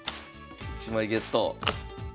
１枚ゲット。